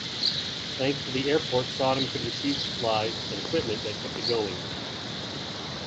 Thanks to the airport Sodom could receive supplies and equipment that kept it going.